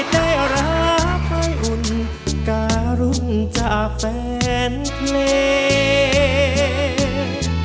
ได้รับไฟอุ่นการุณจากแฟนเพลง